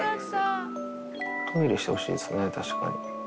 トイレしてほしいですね、確かに。